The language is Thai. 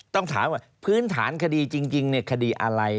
ต้องถามว่าพื้นฐานคดีจริงคดีอะไร